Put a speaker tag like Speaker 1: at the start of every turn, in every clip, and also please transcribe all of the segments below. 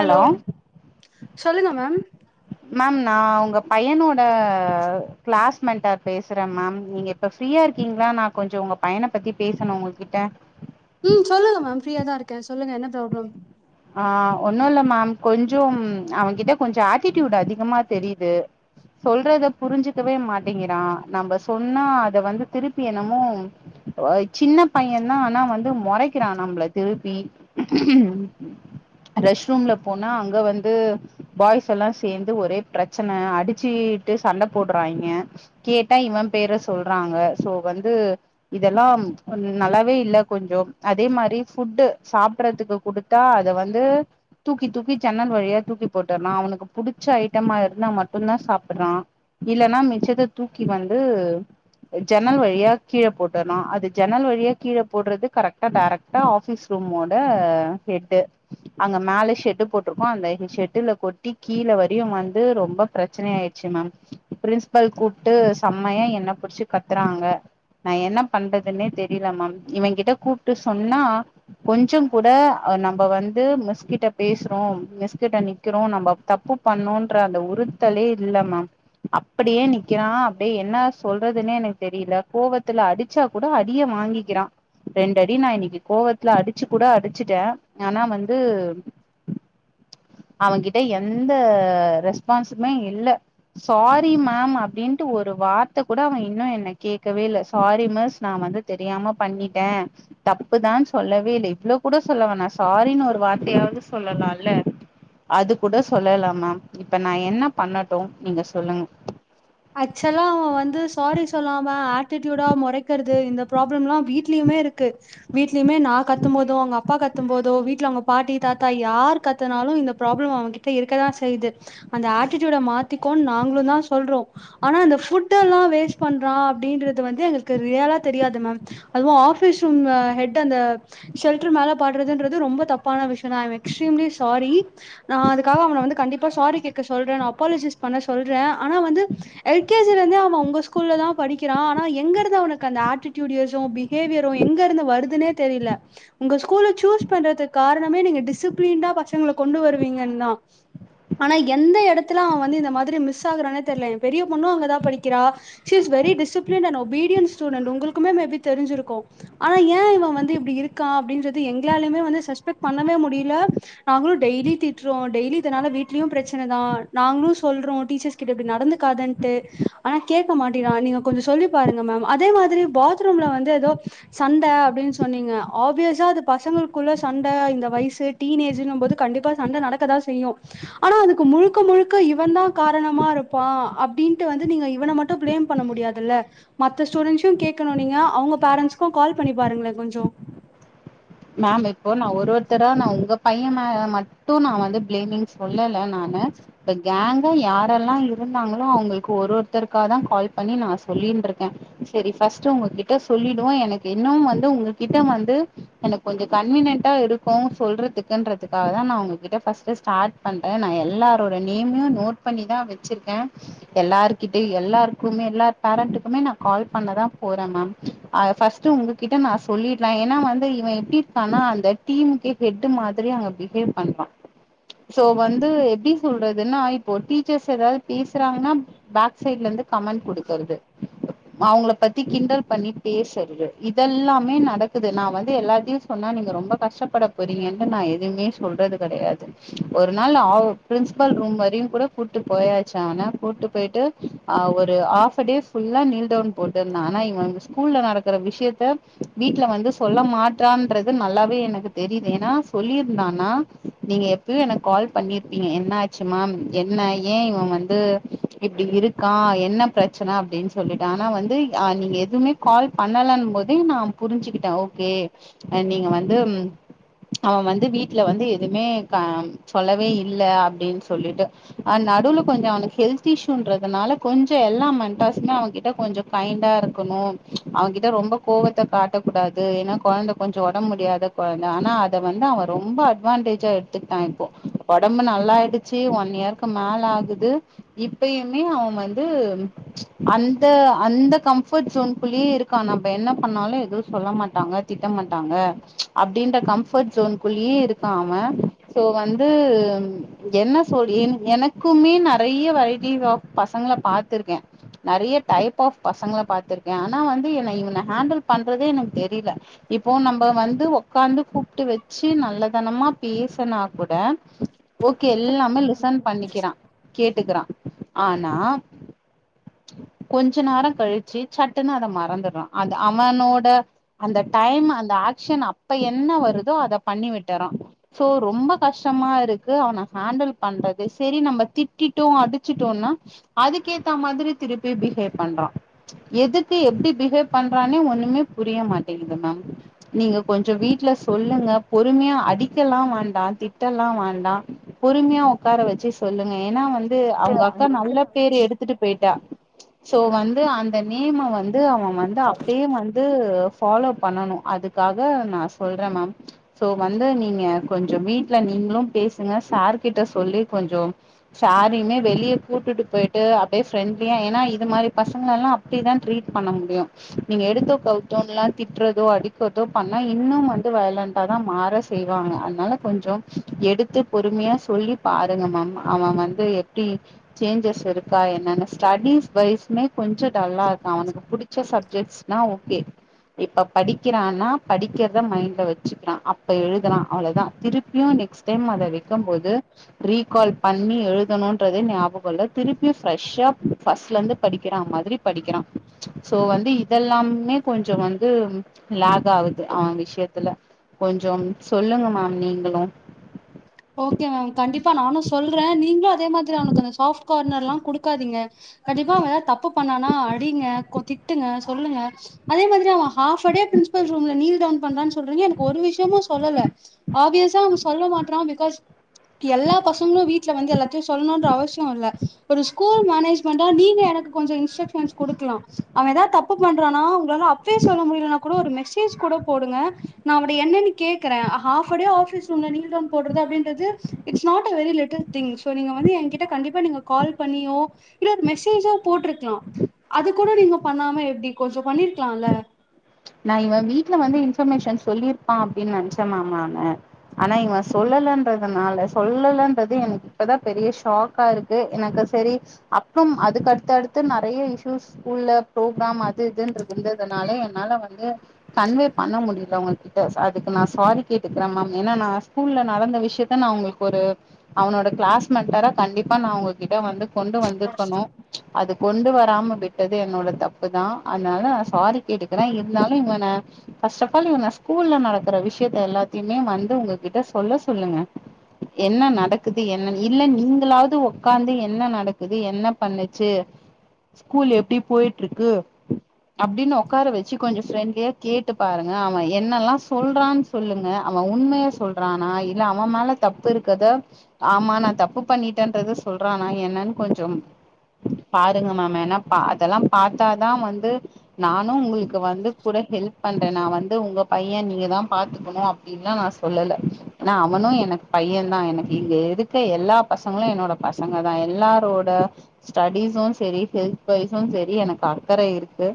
Speaker 1: hello சொல்லுங்க ma'am
Speaker 2: ma'am நான் உங்க பையனோட கிளாஸ் மென்ட்டார் பேசுறேன் மேம் நீங்க இப்ப ஃப்ரீயா இருக்கீங்களா நான் கொஞ்சம் உங்க பையன பத்தி பேசணும் உங்க கிட்ட
Speaker 1: ம் சொல்லுங்க மேம் ஃப்ரீயா தான் இருக்கேன் சொல்லுங்க என்ன ப்ராப்ளம்
Speaker 2: ஆ ஒண்ணுல்ல மேம் கொஞ்சம் அவன் கிட்ட கொஞ்சம் ஆட்டிட்யூட் அதிகமா தெரியுது சொல்றத புரிஞ்சுக்கவே மாட்டிங்குறான் நம்ப சொன்னா அத வந்து திருப்பி என்னமோ அ சின்ன பையன் தான் ஆனா வந்து மொறைக்கிறான் நம்மள திருப்பி ரெஸ்ட் ரூம்ல போனா அங்க வந்து பாய்ஸ் எல்லாம் சேந்து ஒரே பிரச்சன அடிச்சிட்டு சண்ட போட்றாயிங்க கேட்டா இவன் பேர சொல்றாங்க சோ வந்து இதெல்லாம் நல்லாவே இல்ல கொஞ்சோ அதே மாரி ஃபுட்டு சாப்புட்றதுக்கு குடுத் தா அத வந்து தூக்கி தூக்கி ஜன்னல் வழியா தூக்கி போட்டுற அவனுக்கு புடிச்ச ஐட்டமா இருந்தா மட்டும்தான் சாப்புட்றான் இல்லன்னா மிச்சத்த தூக்கி வந்து ஜன்னல் வழியா கீழே போட்டுறான் அது ஜன்னல் வழியா கீழே போட்றது கரெக்டா டேரக்டா ஆஃபீஸ் ரூமோட ஹெட்டு அங்க மேல ஷெட்டு போட்ருக்கோம் அந்த ஷெட்டுல கொட்டி கீழே வரையும் வந்து ரொம்ப பிரச்சனை ஆயிட்ச்சு மேம் பிரின்ஸ்பல் கூப்ட்டு செம்மையா என்ன புடிச்சு கத்துறாங்க நான் என்ன பண்றதுன்னே தெரில மேம் இவன் கிட்ட கூப்ட்டு சொன்னா கொஞ்சம் கூட அ நம்ப வந்து மிஸ்கிட்ட பேசுறோம் மிஸ்கிட்ட நிற்கிறோம் நம்ம தப்பு பண்ணோன்ற அந்த உறுத்தலே இல்ல மேம் அப்படியே நிக்கிறான் அப்டியே என்ன சொல்றதுன்னே எனக்கு தெரில கோவத்துல அடிச்சா கூட அடிய வாங்கிக்கிறான் ரெண்டடி நான் இன்னைக்கி கோவத்துல அடிச்சு கூட அடிச்சுட்டேன் ஆனா வந்து அவ கிட்ட எந்த ரெஸ்பான்ஸுமே இல்ல சாரி மேம் அப்டின்ட்டு ஒரு வார்த்த கூட அவன் இன்னும் என்ன கேக்கவே இல்ல சாரி மிஸ் நான் வந்து தெரியாம பண்ணிட்டேன் தப்புதான் சொல்லவே இல்ல இவ்ளோ கூட சொல்லவே னா சாரின்னு ஒரு வார்த்தையாவது சொல்லலால்ல அது கூட சொல்லல்ல மேம் இப்ப நான் என்ன பண்ணட்டும் நீங்க சொல்லுங்க
Speaker 1: ஆக்சுவலா அவன் வந்து சாரி சொல்லாம ஆட்டிட்யூடா மொறைக்குரது இந்த ப்ராப்ளம்ல்லா வீட்லயுமே இருக்கு வீட்லயுமே நா கத்தும் போதும் அவங்க அப்பா கத்தும் போதும் வீட்ல அவங்க பாட்டி தாத்தா யார் கத்தனாலும் இந்த ப்ராப்ளம் அவன்கிட்ட இருக்கதான் செய்யுது அந்த ஆட்டிட்யூட மாத்திக்கோனு நாங்களும் தான் சொல்றோம் ஆனா இந்த ஃபுட்டல்லா வேஸ்ட் பண்றான் அப்டின்றது வந்து எங்களுக்கு ரியலா தெரியாது மேம் அதுவும் ஆஃபிஸ் ஹெட் அந்த ஷெல்டர் மேல பாட்றதுன்றது ரொம்ப தப்பான விஷயம் தான் ஐயம் எக்ஸ்ட்ரீம்லி சாரி நான் அதுக்காக அவன வந்து கண்டிப்பா சாரி கேட்க சொல்றே அப்பாலஜிஸ் பண்ண சொல்றேன் ஆனா வந்து எல் கே ஜிலந்தே அவன் உங்க ஸ்கூல்ல தான் படிக்கிறான் ஆனா எங்க இருந்து அவனுக்கு அந்த ஆட்டிடியூட்யசு பிஹேவியரும் எங்க இருந்து வருதுன்னே தெரில உங்க ஸ்கூல்ல சூஸ் பண்றதுக்கு காரணமே நீங்க டிசிப்ளின்டா பசங்கள கொண்டு வருவீங்கன்னு தா ஆனா எந்த எடத்துல அவன் வந்து இந்த மாதிரி மிஸ் ஆகுறானே தெர்ல பெரிய பொண்ணும் அங்கதா படிக்கிறா she is very discipline and obedient student உங்குளுக்குமே மேபி தெரிஞ்சிருக்கும் ஆனா ஏ இவ வந்து இப்டி இருக்க அப்டின்னு சொல்ட்டு எங்கலாலயுமே வந்து சஸ்பெக்ட் பண்ணவே முடில நாங்களும் டெய்லி திட்ரோ டெய்லி இதனால வீட்லயும் பிரச்சனதா நாங்களும் சொல்றோம் டீச்சர்ஸ் கிட்ட இப்புடி நடந்துக் காதண்ட்டு ஆனா கேக்க மாட்டிங்கிறா நீங்க கொஞ்சம் சொல்லி பாருங்க மேம் அதே மாதிரி பாத்ரூம்ல வந்து ஏதோ சண்டை அப்டின்னு சொன்னீங்க ஆப்யூசா அது பசங்களுக்குள்ள சண்ட இந்த வயசு டீனேஜுங்கும் போது கண்டிப்பா சண்ட நடக்கதான் செய்யும் ஆனா அதுக்கு முழுக்க முழுக்க இவன் தான் காரணமா இருப்பான் அப்டின்ட்டு வந்து நீங்க இவன மட்டும் பிளேம் பண்ண முடியாதுல்ல மத்த ஸ்டூடெண்ட்சயூம் கேக்கணும் நீங்க அவங்க பேரண்ட்ஸ்கும் கால் பண்ணி பாருங்களே கொஞ்சோ
Speaker 2: த்தரா நான் உங்க பையன் மே மட்டும் நான் வந்து பிளேமிங் சொல்லல நானு இப்ப கேங்கா யாரெல்லாம் இருந்தாங்களோ அவங்களுக்கு ஒரு ஒருத்தருக்காக தான் கால் பண்ணி நான் சொல்லின்ருக்க சேரி ஃபர்ஸ்ட்டு உங்ககிட்ட சொல்லிடுவோம் எனக்கு இன்னும் வந்து உங்ககிட்ட வந்து எனக்கு கொஞ்சம் கன்வீனியன்டா இருக்கும் சொல்றதுக்குன்றதுக்காக தான் நான் உங்ககிட்ட ஃபர்ஸ்ட்டு ஸ்டார்ட் பண்றேன் நான் எல்லாரோட நேமையும் நோட் பண்ணிதான் வெச்சிருக்கேன் எல்லாருகிட்டயூ எல்லாருக்குமே எல்லா பேரண்ட்டுக்குமே நான் கால் பண்ணதான் போறேன் மேம் ஆ ஃபர்ஸ்ட்டு உங்ககிட்ட நான் சொல்லிட்லா ஏன்னா வந்து இவன் இப் டீர்கான்னா அந்த டீம்கே வெட்டு மாதிரி அங்க பிஹேவ் பண்றா சோ வந்து எப்டி சொல்றதுன்னா இப்போ டீச்சர்ஸ் எதாவது பேசுறாங்கன்னா பேக் சைட்ல இருந்து கமெண்ட் குடுக்குறது அவங்கள பத்தி கிண்டல் பண்ணி பேசறது இதெல்லாமே நடக்குது நான் வந்து எல்லாத்தையும் சொன்னா நீங்க ரொம்ப கஷ்டப்பட போறீங்கன்னு நான் எதுவுமே சொல்றது கடையாது ஒரு நாள் ந ஊ பிரின்ஸ்பல் ரூம் வரையும் கூட கூட்டு போயாச்சு அவன கூட்டு போயிட்டு் ஆ ஒரு ஆஃப டே ஃபுல்லா நீல்டவுன் போட்டுருந்தா ஆனா இவன் இங்க ஸ்கூல்ல நடக்குற விஷயத்த வீட்ல வந்து சொல்ல மாட் டான்றது நல்லாவே எனக்கு தெரியுது ஏன்னா சொல்லியிருந்தனா நீங்க எப்பயு எனக்கு கால் பண்ணிருப்பீங்க என்ன ஆச்சு மேம் என்ன ஏன் இவன் வந்து இப்டி இருக்கா என்ன பிரச்சன அப்டின்னு சொல்லிட்டு ஆனா வந்து அ நீங்க எதுவுமே கால் பண்ணலன் போதே நான் புரிஞ்சுகிட்டேன் ஓகே அ நீங்க வந்து ம் அவன் வந்து வீட்ல வந்து எதுவுமே க சொல்லவே இல்ல அப்டின்னு சொல்லிட்டு அண்ட் நடுவுல கொஞ்சம் அவனுக்கு ஹெல்த் இஷ்யூன்றதுனால கொஞ்சம் எல்லா மெண்ட்டார்சுமே அவன்கிட்ட கொஞ்சம் கைண்டா இருக்கணும் அவகிட்ட ரொம்ப கோபத்த காட்டக் கூடாது ஏன்னா கொழந்த கொஞ்சம் உடம்ப முடியாத கொழந்த ஆனா அத வந்து அவன் ரொம்ப அட்வான்டேஜா எடுத்துக்கிட்டான் இப்போ உடம்பு நல்லாயிடுச்சு ஒன் இயருக்கு மேல ஆகுது இப்பயுமே அவன் வந்து அந்த அந்த கம்ஃபர்ட் ஜோன்குள்ளே இருக்கான் நம்ப என்ன பண்ணாலும் எதுவும் சொல்ல மாட்டாங்க திட்ட மாட்டாங்க அப்டின்ற கம்ஃபர்ட் ஜோன் குள்ளயே இருக்கா அவன் சோ வந்து என்ன சொல் என் எனக்குமே நறைய வெரைட்டிஸ் ஆஃப் பசங்கள பாத்துருக்கேன் நறைய டைப் ஆஃப் பசங்கள பாத்துருக்கேன் ஆனா வந்து என்ன இவன ஹேண்டில் பண்றதே எனக்கு தெரில இப்போ நம்ப வந்து உக்காந்து கூப்ட்டு வெச்சு நல்லதனமா பேசுனா கூட ஓகே எல்லாமே லிசன் பண்ணிக்கிறான் கேட்டுக்குறான் ஆ நா கொஞ்ச நேரம் கழிச்சு சட்டுன்னு அத மறந்துற்றா அது அவனோட அந்த டைம் அந்த ஆக்ஷன் அப்ப என்ன வருதோ அத பண்ணி விட்டுற்றா சோ ரொம்ப கஷ்டமா இருக்கு அவன ஹேண்டில் பண்றது சேரி நம்ப திட்டிட்டோம் அடிச்சிட்டோன்னா அதுக்கேத்த மாதிரி திருப்பி பிஹேவ் பண்றா எதுக்கு எப்டி பிஹேவ் பண்றான்னே ஒண்ணுமே புரிய மாட்டிங் கிது மேம் நீங்க கொஞ்சம் வீட்ல சொல்லுங்க பொறுமையா அடிக்கல்லாம் வேண்டாம் திட்டல்லாம் வேண்டாம் பொறுமையா உக்கார வெச்சு சொல்லுங்க ஏன்னா வந் து அவங்க அக்கா நல்ல பேரு எடுத்துட்டு போயிட்டா சோ வந்து அந்த நேம வந்து ந்து அவன் வந்து அப்டியே வந்து ஃபாலோ பண்ணணும் அதுக்காக நான் சொல்றேன் மேம் சோ வந்து நீங்க கொஞ்சோ வீட்டுல நீங்களும் பேசுங்க சார் கிட்ட சொல்லி கொஞ்சோ சாரிமே வெளியே கூட்டிட்டு போயிட்டு அப்படியே ஃப்ரெண்ட்லியா ஏன்னா இது மாரி பசங்க எல்லா அப்படிதான் ட்ரீட் பண்ண முடியும் நீங்க எடுத்தோ கவுத்தோன்லா திட்டுறதோ அடிக்கிறதோ பண்ணா இன்னும் வந்து வயலண்டண்டா தான் மாற செய்வாங்க அதனால கொஞ்சோம் எடுத்து பொறுமையா சொல்லி பாருங்க மேம் அவன் வந்து எப்படி சேஞ்சஸ் இருக்கா என்னன்ன ஸ்டடிஸ் வைஸ்மே கொஞ்சோ டல்லா இருக்கான் அவனுக்கு புடிச்ச சப் சப்ஜெக்ட்ஸ்னா ஓகே இப்ப படிக்கிறான்னா படிக்கிறத மைண்ட்ல வச்சுக்கிறான் அப்ப எழுதுறான் அவ்ளோதான் திருப்பியும் நெக்ஸ்ட் டைம் அத வைக்கும் போது ரீகால் பண்ணி எழுதணும்ன்றதே ஞாபகம் இல்ல திருப்பியும் ஃப்ரெஷ்ஷா ஃபஸ்ட்ல இருந்து படிக்கிறான் மாதிரி படிக்கிறான் ச்சு சோ வந்து இதெல்லாமே கொஞ்சோ வந் ந்து லெக்கு ஆகுது அவன் விஷயத்துல கொஞ்சோம் சொல்லுங்க மேம் நீங்களும்
Speaker 1: ஓகே மேம் கண்டிப்பா நானும் சொல்றேன் நீங்களும் அதே மாதிரி அவனுக்கு அந்த சாஃப்ட் கார்னர் எல்லா குடுக்காதீங்க கண்டிப்பா அவன் ஏதாவது தப்பு பண்ணானா அடிங்க கொ திட்டுங்க சொல்லுங்க அதே மாதிரி அவன் ஹப் அ டே பிரசபல் ரூம்ல நீல் டவுன் பண்றான்னு சொல்றீங்க எனக்கு ஒரு விஷயமும் சொல்லல ஆபியஸா அவன் சொல்ல மாற்றான் பி காஸ் எல்லா பசங்களும் வீட்ல வந்து எல்லாத்தையும் சொல்லணும்ன்ற அவசியம் இல்ல ஒரு ஸ்கூல் மேனேஜ்மெண்டா நீங்க எனக்கு கொஞ்சோ இன்ஸ்ட்ரக்ஷன்ஸ் குடுக்கலா அவன் ஏதாவது தப்பு பண்றானா உங்களால அப்பே சொல்ல முடியலன்னா கூட ஒரு மெசேஜ் கூட போடுங்க நான் அவன்ட என்னன்னு கேக்குறேன் ஹப் அ டே ஆஃபீஸ் ரூம்ல நீல்டவுன் போடுறத அப்டின்றது it's not a very little thing so நீங்க வந்து என்கிட்ட கண்டிப்பா நீங்க கால் பண்ணியோ இல்ல மெசேஜ்ஜோ போட்டிருக்கலா அது கூட நீங்க பண்ணாம எப்படி கொஞ்சோ பண்ணிருக்கல்ல
Speaker 2: ச்சு நா இவன் வீட்டுல வந்து இன்பர்மேஷன் சொல்லியிருப்பான் அப்படின்னு நெனச்சேன் மேம் நானு ஆனா இவன் சொல்லலன்றதுனால சொல்லன்றது எனக்கு இப்பதான் பெரிய ஷாக்கா இருக்கு எனக்கு செரி அப்புறம் அதுக்கு அடுத்து அடுத்து நெறையா இயூஸ் ஸ்கூல்ல ப்ரோக்ராம் அது இதுன்று இருந்ததுனால என்னால வந் வந்து கன்வே பண்ண முடியிட்ட உங்க கிட்ட சோ அதுக்கு நான் சாரி கேட்டுக்கிறேன் மேம் ஏன்னா நான் ஸ்கூல்ல நடந்த விஷயத்த நான் உங்களுக்கு ஒரு அவனோட கிளாஸ்மெண்டரா கண்டிப்பா நான் உங்ககிட்ட வந்து கொண்டு வந்திருக்கணும் ச்சு அதுக் கொண்டு வராம விட்டது என்னோட தப்பு தான் அதனால நான் சாரி கேட்டுக்கிறேன் இன் இன்னாலுயிவன ஃபர்ஸ்ட் ஆஃப் ஆல் இவன ஸ்கூல்ல நடக்கற விஷயத்த எல்லாத்துமே வந்து உங்ககிட்ட சொல்ல சொல்லுங்க என்ன நடக்குது என்ன இல்ல நீங்களாவது உக்காந்து என்ன நடக்குது என்ன பண்ணுச்சு ஸ்கூல் எப்படி போயிட்டு இருக்கு அப்படின்னு உக்கார வச்சு கொஞ்சோ ஃப்ரெண்ட்லியா கேட்டு பாருங்க அவன் என்னெல்லா சொல்றான்னு சொல்லுங்க அவன் உண்மயா சொல்றானா இல்ல அவன் மேல தப்பு இருக்கிறத ஆமா நான் தப்பு பண்ணிட்டேன்றத சொல்றானா என்னன்னு கொஞ்சம் பாருங்க மேம் மேனா பா அதெல்லா பாத்தாதா வந் ந்து நானும் உங்களுக் வந்து கூட ஹெல்ப் பண் நான் வந்து உங்க பையன் நீங்கதான் பாத்துக்கணும் அப்படின்னுலா நான் சொல்லல ஏனா அவனும் எனக்கு பையன் தான் எனக்கு இங்க இருக்க எல்லா பசங்களும் என்னோட பசங்க தான் எல்லாரோட ஸ்டடிஸும் செரி ஹெல்த் வாய்ஸ்ஸும் செரி எனக்கு அக்கறை இருக்கு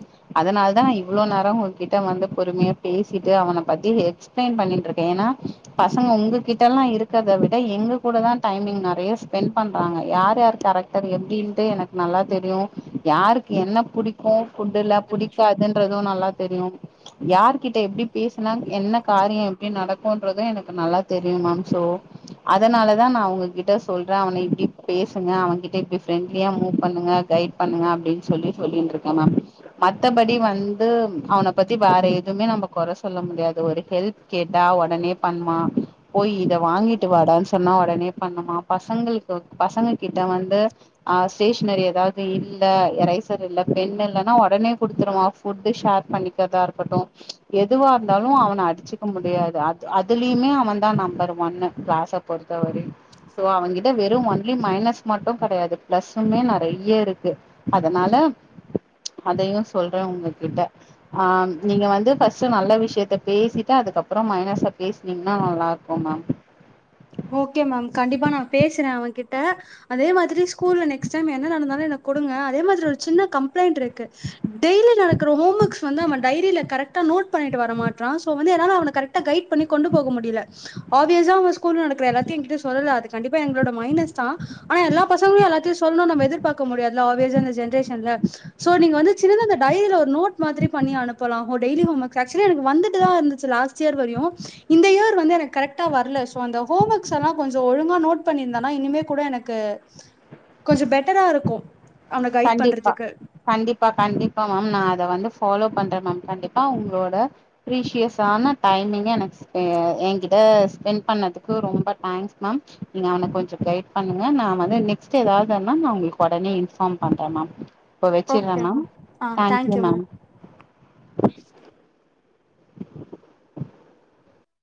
Speaker 2: அதனால தான் இவ் இவ்ளோ நேரம் உங்ககிட்ட வந்து பொறுமையா பேசிட்டு அவன பத்தி எக்ஸ்பிளைன் பண்ணிட்டு இருக்கேன் ச்சு ஏன்னா பசங்க உங்ககிட்ட எல்லா இருக்கறத விட எங்க கூடதான் டைமிங் நெறையா ஸ்பெண்ட் பண்றாங்க யார் யார் கேரக்டர் எப்படின்ட்டு எனக்கு நல்லா தெரியும் யாருக் க்கு என்ன புடிக்கும் ஃபுட்டுல்ல புடிக்காதுன் துன்றது நல்லா தெரியும் யார்கிட்ட எப்படி பேசினா என்ன காரியம் எப்படி நடக்கும்ன்றதும் எனக்கு நல்லா தெரியும் மேம் சோ அதனாலதான் நான் உங்ககிட்ட சொல்றேன் அவன இப்படி பேசுங்க அவ கிட்ட இப்படி ஃபிரண்ட்லியா மூ பண்ணுங்க கைட் பண்ணுங்க அப்படின்னு சொல்லி சொல்லின்று இருக்கன் மேம் மத்தபடி வந்து வந்து அவன பத்தி வேற எதுவுமே நம்ம கொற சொல்ல முடியாது ஒரு ஹெல்ப் கேட்டா ஒடனே பண்ணுவா போய் இத வாங்கிட்டு வாடான்னு சொன்னா ஒடனே பண்ணுவா பசங்களுக்கு பசங்க கிட்ட வந்து ஆ ஸ்டேஷனரி ஏதாது இல்ல இரைசேர் இல்ல பெண் இல்லன்னா ஒடனே குடுத்துருவா ஃபுட்டு ஷேர் பண்ணிக்கதா இருக்கட்டும் ச்சு எது எதுவா இருந்தாலும் அவன அடிச்சுக்க முடியாது அது அதுலயுமே அவன் தான் நம்பர் ஒன்னு கிளாஸ்ஸ பொறுத்தவரையிலு சோ அவ கிட்ட வெறும் ஒன்லி மைனஸ் மட்டும் கிடையாது பிளஸுமே நெறைய இருக்கு அதனால ச்சு அதையும் சொல்றேன் உங்ககிட்ட கிட்ட ஆ நீங்க வந்து ஃபஸ்ட் நல்ல விஷ்யத்த பேசிட்டு அதுக்கப்புறோ மைனஸ பேஸ்னீங்னா நல்லார்க்கு மேம்
Speaker 1: ஓகே மேம் கண்டிப்பா நா பேசுறே அவே கிட்ட அதே மாதிரி ஸ்கூல்ல நெக்ஸ்டைம் என்ன நடந்தாலும் எனக் கொடுங்க அதே மாதிரி ஒரு சின்ன கம்ப்ளைண்ட்டிருக்கு டெய்லி நடக்கற ஹோமர்க்ஸ் வந்து அவ டைரில கரட் ட்டா நோட் பண்ணிட்டு வர மாட்ரா சோ வந்து என்னால அவன கரெட்டா கைட் பண்ணி கொண்டு போக முடியில ஆப்யெஸா அவ ஸ் கூல்ல நடக்ற எல்லாத்தியு எங்கிட்ட சொல்லல்ல அது கண்டிப்பா எங்ளோட மைனஸ் தா ஆனா எல்லா பசங்ளு எல்லாதியு சொல்ணுன் நம்ப எதிர்பாக்க முடியாதுல ஆப்யெஸா இந்த ஜென்ரேஷன்ல சோ நீங்க வந்து சின்னதா அந்த டைரில ஒரு நோட் மாதிரி பண்ணி அனுப்பலா ஒ டெய்லி ஹோமர்க் ஆக்சுவலி எனக் வந்துட்டுதா இர்ந்துச்சு லாஸ்ட் இயர் வரியு இந்த இயர் வந்து எனக் கரெக்டா வர்லஸ் ப்போ அந்த ஹோமர்க்ஸெல்லா கொஞ்சோ ஒழுங்கா நோட் பண்ணிர்ந்தான்னா இனிமே கூட எனக்கு கொஞ்சோ பெட்டராருக்கு
Speaker 2: கண்டிப்பா கண்டிப்பா கண்டிப்பா மேம் நா அத வந்து ஃபாலோ பண்றே மேம் கண்டிப்பா உங்ளோட பிரீஸியஸான டைமிங்க எனக்ஸ்பெ எங்கிட்ட ஸ்பென் பண்ணதுக்கு ரொம்ப டைங்ஸ் மேம் நீங்க அவ்ன கொஞ்சோ கைட் பண்ணுங்க நா வந்து நெக்ஸ்ட் ஏதாதுனா நா உங்ளுக் ஒடனே இன்பார்ம் பாத்தே மேம் இப்ப வெச்சிற்றே
Speaker 1: ஓகே
Speaker 2: மேம்
Speaker 1: ஆ
Speaker 2: தேங்யூ
Speaker 1: தேங்க்யூ
Speaker 2: மேம்